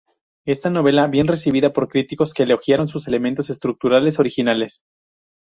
Esta novela bien recibida por críticos que elogiaron sus elementos estructurales originales.